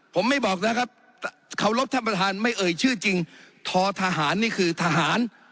ผมไม่บอกนะครับเคารพท่านประธานไม่เอ่ยชื่อจริงททหารนี่คือทหาร